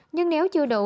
nhưng nếu chưa đủ